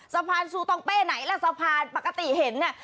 สะพานซูตองเป้ไหนล่ะสะพานปกติเห็นเนี่ย